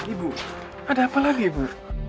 ibu ada apa lagi ibu